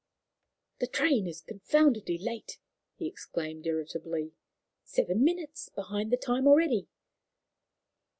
"The train is confoundedly late!" he exclaimed irritably. "Seven minutes behind time already!"